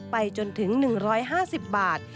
ไปจนถึง๑๕๐บาท